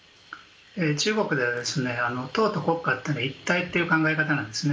中国では党と国家は一体という考え方なんですね。